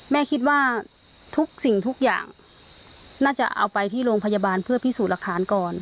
แม่คิดว่าทุกสิ่งทุกอย่างน่าจะเอาไปที่โรงพยาบาลเพื่อพิสูจน์หลักฐานก่อน